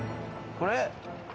これ。